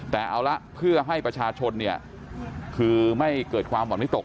แต่เอาละเพื่อให้ประชาชนเนี่ยคือไม่เกิดความหวั่นวิตก